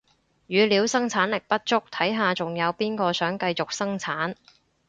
語料生產力不足，睇下仲有邊個想繼續生產